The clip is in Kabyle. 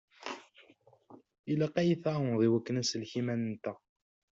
Ilaq ad yi-tɛawneḍ i wakken ad nsellek iman-nteɣ.